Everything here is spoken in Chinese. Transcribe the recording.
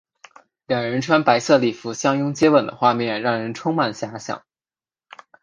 两人身穿白色礼服相拥接吻的画面让人充满遐想。